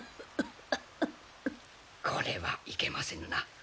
これはいけませぬな。